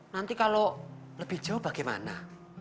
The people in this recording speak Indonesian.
nanti kalau lebih jauh bagaimana